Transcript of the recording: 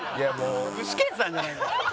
具志堅さんじゃないんだから。